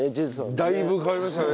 だいぶ変わりましたね。